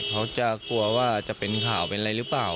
เขาจะกลัวว่าจะเป็นข่าวเป็นอะไรหรือเปล่า